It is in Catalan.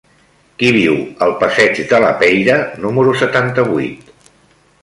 Qui viu al passeig de la Peira número setanta-vuit?